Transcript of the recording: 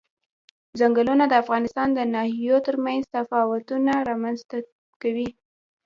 ځنګلونه د افغانستان د ناحیو ترمنځ تفاوتونه رامنځ ته کوي.